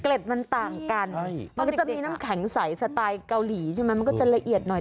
มันต่างกันมันก็จะมีน้ำแข็งใสสไตล์เกาหลีใช่ไหมมันก็จะละเอียดหน่อย